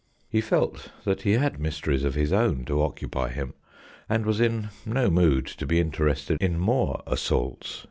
He felt that he had mysteries of his own to occupy him and was in no mood to be interested in more assaults.